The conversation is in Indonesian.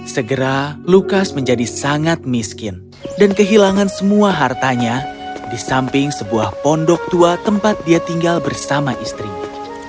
segera lukas menjadi sangat miskin dan kehilangan semua hartanya di samping sebuah pondok tua tempat dia tinggal bersama istrinya